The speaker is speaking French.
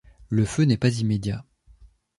Le feu n’est pas immédiat.